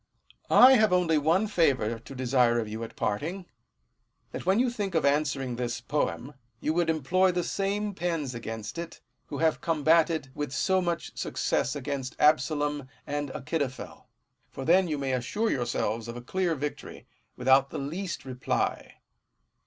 I have only one favour to desire of you at parting, that when you think of answering this poem, you would employ the same pens against it, who have combated with so much success against Absalom and Achitophel : for then you may assure yourselves of a clear victory, without the least reply.